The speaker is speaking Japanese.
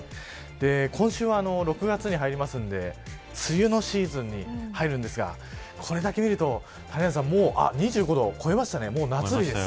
今週は６月に入りますので梅雨のシーズンに入るんですがこれだけ見ると谷原さんもう２５度を超えましたね。